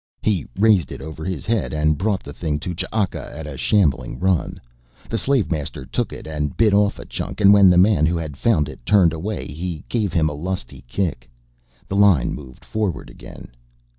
He raised it over his head and brought the thing to Ch'aka at a shambling run. The slavemaster took it and bit off a chunk, and when the man who had found it turned away he gave him a lusty kick. The line moved forward again.